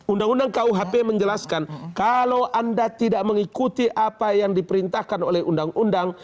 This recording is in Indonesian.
undang undang kuhp menjelaskan kalau anda tidak mengikuti apa yang diperintahkan oleh undang undang